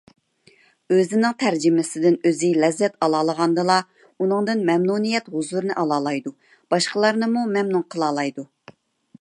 ئۆزىنىڭ تەرجىمىسىدىن ئۆزى لەززەت ئالالىغاندىلا، ئۇنىڭدىن مەمنۇنىيەت ھۇزۇرىنى ئالالايدۇ، باشقىلارنىمۇ مەمنۇن قىلالايدۇ.